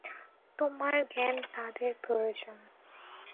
তোমার জ্ঞান তাদের প্রয়োজন।